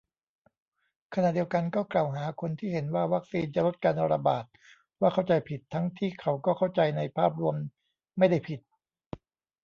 ขณะเดียวกันก็กล่าวหาคนที่เห็นว่าวัคซีนจะลดการระบาด ว่าเข้าใจผิด ทั้งที่เขาก็เข้าใจในภาพรวมไม่ได้ผิด